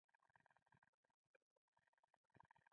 پیاله د دعا قبولېدو هیله لري